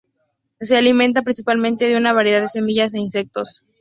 Se alimenta principalmente de una variedad de semillas e insectos.